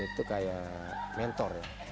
ini tuh kayak mentor